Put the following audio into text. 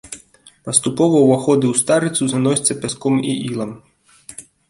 Паступова ўваходы ў старыцу заносяцца пяском і ілам.